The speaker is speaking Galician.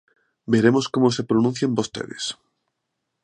Veremos como se pronuncian vostedes.